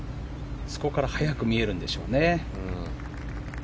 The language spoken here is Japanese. あそこから速く見えるんでしょうね。